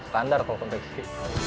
standar kalau konveksi